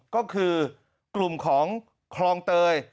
ก็คือกลุ่มของคลองเตย